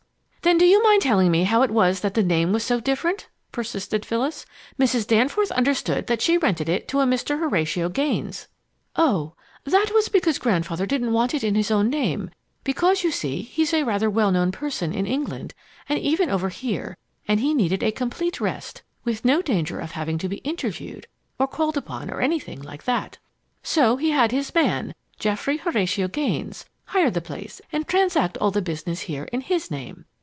"Then, do you mind telling me how it was that the name was so different?" persisted Phyllis. "Mrs. Danforth understood that she rented it to a Mr. Horatio Gaines." "Oh, that was because Grandfather didn't want it in his own name, because, you see, he's a rather well known person in England and even over here, and he needed a complete rest, with no danger of having to be interviewed or called upon or anything like that. So he had his man, Geoffrey Horatio Gaines, hire the place, and transact all the business here in his name.